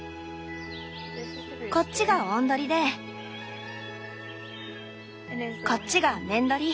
こっちがオンドリでこっちがメンドリ。